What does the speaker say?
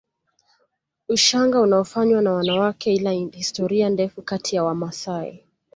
Ushanga unaofanywa na wanawake ina historia ndefu kati ya Wamasai